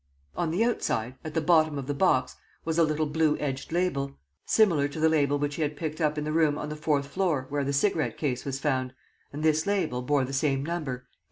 On the outside, at the bottom of the box, was a little blue edged label, similar to the label which he had picked up in the room on the fourth floor where the cigarette case was found, and this label bore the same number, 813.